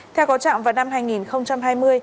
theo có trạm vào năm hai nghìn hai mươi